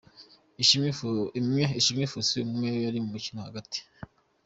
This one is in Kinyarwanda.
Ishimwe Fauzi ubwo yari mu mukino hagati.